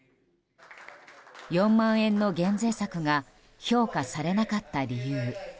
４万円の減税策が評価されなかった理由。